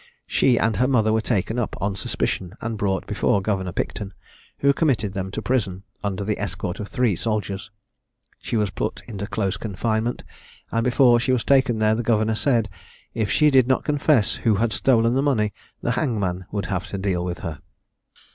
She and her mother were taken up on suspicion, and brought before Governor Picton, who committed them to prison, under the escort of three soldiers. She was put into close confinement; and before she was taken there the governor said, "If she did not confess who had stolen the money, the hangman would have to deal with her."